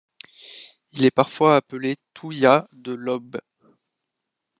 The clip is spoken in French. Il est parfois appelé Thuya de Lobb.